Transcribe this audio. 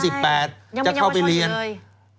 ยังยังไม่มีเยี่ยมชนเลย